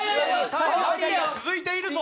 さあラリーが続いているぞ。